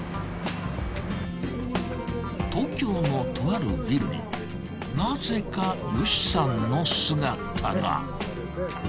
東京のとあるビルになぜかヨシさんの姿が。